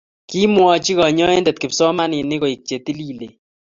Kimwochi kanyointe kipsomaninik koek che tolilen.